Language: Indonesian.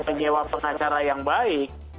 menyewa pengacara yang baik